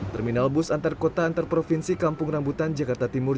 terminal bus antar kota antar provinsi kampung rambutan jakarta timur